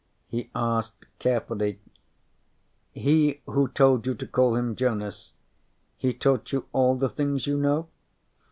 He asked carefully: "He who told you to call him Jonas, he taught you all the things you know?"